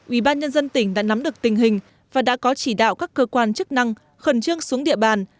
ubnd tỉnh đã nắm được tình hình và đã có chỉ đạo các cơ quan chức năng khẩn trương xuống địa bàn